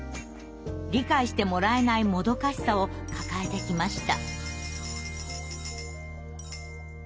理解してもらえないもどかしさを抱えてきました。